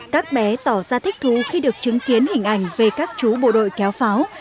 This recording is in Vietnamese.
các bé tỏ ra thích thú khi được chứng kiến hình ảnh về các chú bộ đội kéo pháo